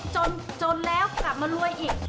จนแล้วกลับมารวยอีก